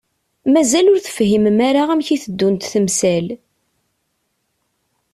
Mazal ur tefhimem ara amek i teddunt temsal.